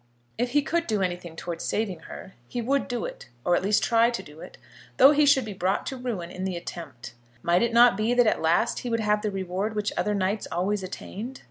If he could do anything towards saving her, he would do it, or try to do it, though he should be brought to ruin in the attempt. Might it not be that at last he would have the reward which other knights always attained?